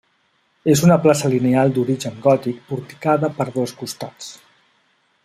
És una plaça lineal d'origen gòtic porticada per dos costats.